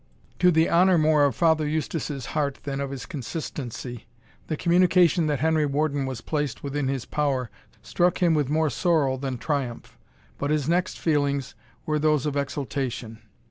To the honour more of Father Eustace's heart than of his consistency, the communication that Henry Warden was placed within his power, struck him with more sorrow than triumph; but his next feelings were those of exultation.